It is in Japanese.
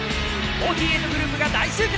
４８グループが大集結。